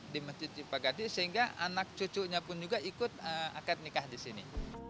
di masjid cipaganti sehingga anak cucunya pun juga ikut akad nikah di sini